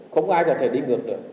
không ai có thể đi ngược được